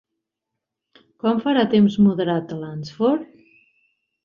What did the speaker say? Quan farà temps moderat a Lansford?